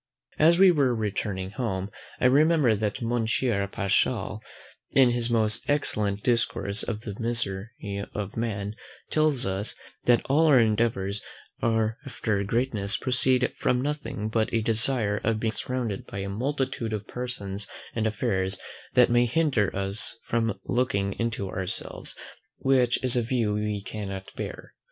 As we were returning home, I remembered that Monsieur Paschal, in his most excellent discourse on the misery of man, tells us, that all our endeavours after greatness proceed from nothing but a desire of being surrounded by a multitude of persons and affairs that may hinder us from looking into ourselves, which is a view we cannot bear.